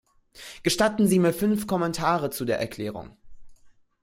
Gestatten Sie mir fünf Kommentare zu der Erklärung.